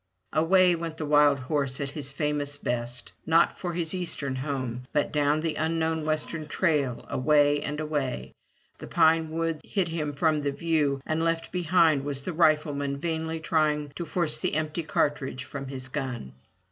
Away went the wild horse at his famous best, not for his eastern home, but down the unknown western trail, away and away; the pine woods hid him from the view, and left behind was the rifleman vainly trying to force the empty cartridge from his gun.